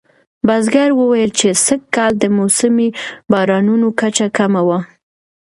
بزګر وویل چې سږکال د موسمي بارانونو کچه کمه وه.